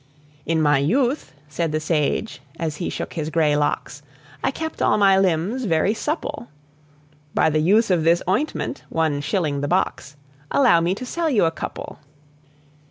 "In my youth," said the sage, as he shook his gray locks, "I kept all my limbs very supple By the use of this ointment one shilling the box Allow me to sell you a couple."